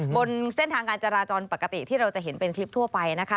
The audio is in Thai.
บนเส้นทางการจราจรปกติที่เราจะเห็นเป็นคลิปทั่วไปนะคะ